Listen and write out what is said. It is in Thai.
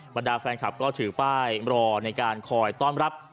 บรรดาแฟนคลับก็ถือป้ายรอในการคอยต้อนรับ